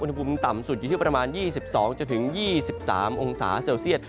อุณหภูมิต่ำสุดอยู่ที่ประมาณ๒๒๒๓องศาเซลเซียต